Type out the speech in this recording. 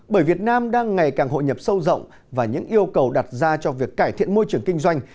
bởi việt nam đang ngày càng hội nhập sâu rộng và những yêu cầu đặt ra cho việc cải thiện môi trường kinh doanh